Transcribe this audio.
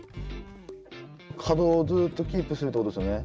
角をずっとキープするっていうことですよね？